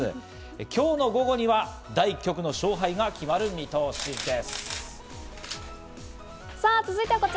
今日の午後には第１局の勝敗が決まる見通しです。